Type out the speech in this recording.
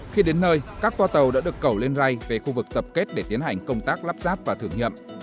khi đến nơi các toa tàu đã được cẩu lên ray về khu vực tập kết để tiến hành công tác lắp ráp và thử nghiệm